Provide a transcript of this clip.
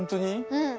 うん。